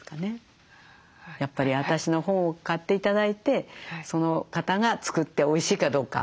やっぱり私の本を買って頂いてその方が作っておいしいかどうか。